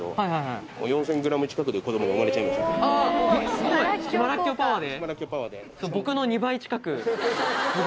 すごい！島らっきょうパワーで。